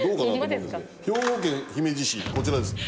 兵庫県姫路市こちらです。